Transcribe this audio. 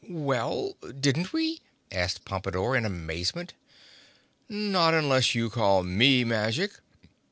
"Well, didn't we?" asked Pompadore in amazement. "Not unless you call me magic.